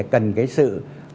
cái sự hy sinh